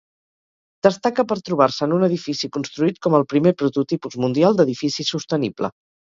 Destaca per trobar-se en un edifici construït com el primer prototipus mundial d'edifici sostenible.